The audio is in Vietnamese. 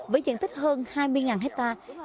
với diện tích hơn hai mươi hectare